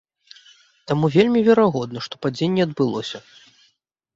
Таму вельмі верагодна, што падзенне адбылося.